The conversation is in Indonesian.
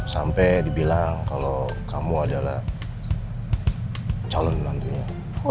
sampai dibilang kalau kamu adalah calon nantinya